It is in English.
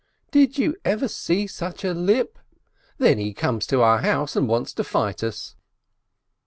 "Did you ever see such a lip? And then he comes to our house and wants to fight us